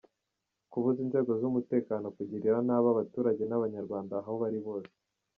Kubuza inzego z’umutekano kugirira nabi abaturage n’abanyarwanda aho bari hose.